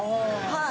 はい。